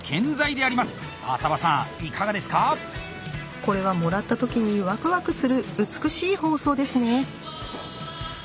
これはもらったときにワクワクする美しい包装ですね。